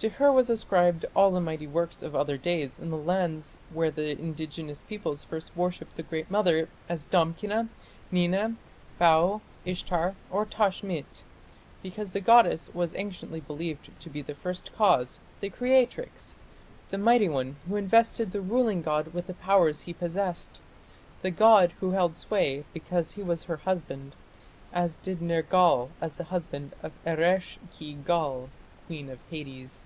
To her was ascribed all the mighty works of other days in the lands where the indigenous peoples first worshipped the Great Mother as Damkina, Nina, Bau, Ishtar, or Tashmit, because the goddess was anciently believed to be the First Cause, the creatrix, the mighty one who invested the ruling god with the powers he possessed the god who held sway because he was her husband, as did Nergal as the husband of Eresh ki gal, queen of Hades.